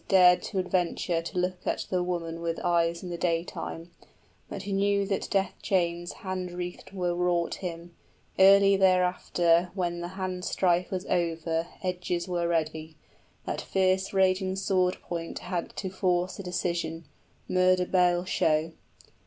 } 45 Dared to adventure to look at the woman With eyes in the daytime; but he knew that death chains Hand wreathed were wrought him: early thereafter, When the hand strife was over, edges were ready, That fierce raging sword point had to force a decision, 50 Murder bale show.